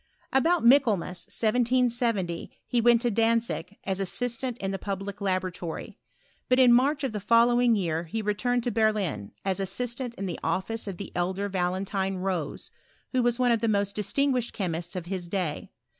About Michaelmas, 1770, he went to Dantzig, as assistant in the public laboratory : but in March of the following year he returned to Berlin, as assistant in the office of the elder Valentine Rose, who was one of the most distinguished chemists of his day.